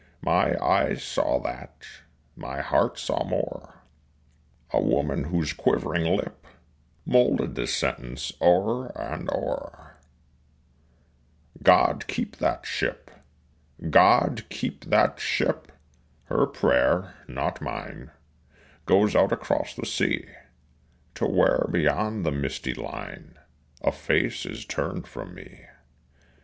My eyes saw that, my heart saw more: A woman whose quivering lip Moulded this sentence o'er and o'er, "God keep that ship!" God keep that ship! Her prayer, not mine, Goes out across the sea To where beyond the misty line A face is turned from me.